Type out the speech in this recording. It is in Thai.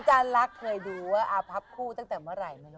อาจารย์รักเคยดูว่าอาพับคู่ตั้งแต่เมื่อไหร่